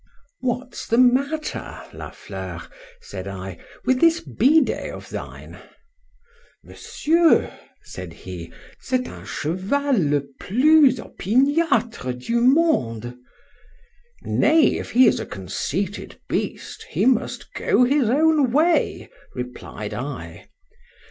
What's the matter, La Fleur, said I, with this bidet of thine? Monsieur, said he, c'est un cheval le plus opiniâtre du monde.—Nay, if he is a conceited beast, he must go his own way, replied I.